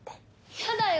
嫌だよ！